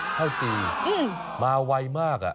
ข้าวจีมาไวมาก